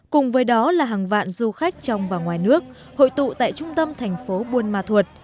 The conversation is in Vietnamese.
cùng với đó là hàng vạn du khách trong và ngoài nước hội tụ tại trung tâm thành phố buôn ma thuột